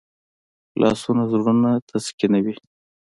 لاسونه زړونه تسکینوي